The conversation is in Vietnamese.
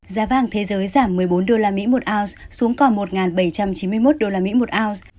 giá vàng thế giới giảm một mươi bốn usd một ounce xuống còn một bảy trăm chín mươi một usd một ounce